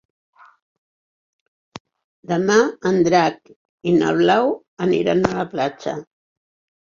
Demà en Drac i na Blau aniran a la platja.